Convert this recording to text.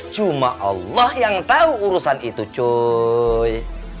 cuma allah yang tahu urusan itu joy